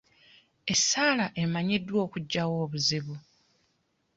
Essaala emanyiddwa okugyawo ebizubu.